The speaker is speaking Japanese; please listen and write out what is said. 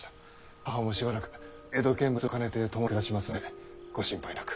母もしばらく江戸見物を兼ねて共に暮らしますのでご心配なく。